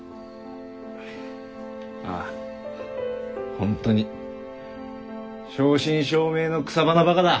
本当に正真正銘の草花バカだ！